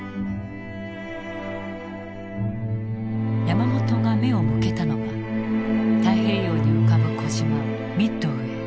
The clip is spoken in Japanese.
山本が目を向けたのが太平洋に浮かぶ小島ミッドウェー。